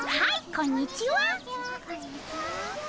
こんにちは。